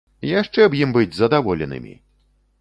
Яшчэ б ім быць задаволенымі!